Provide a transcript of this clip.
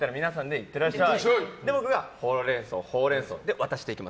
いってらっしゃい！